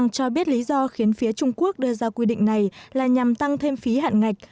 ông cho biết lý do khiến phía trung quốc đưa ra quy định này là nhằm tăng thêm phí hạn ngạch